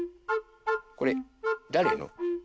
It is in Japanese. これだれの？